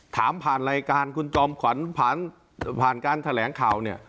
ถามผ่านรายการคุณจอมขวัญผ่านการแถลงข่าวเนี่ย